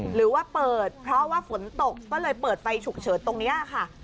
หรือว่าเปิดเพราะว่าฝนตกก็เลยเปิดไฟฉุกเฉินตรงนี้ค่ะ